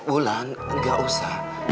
ulan gak usah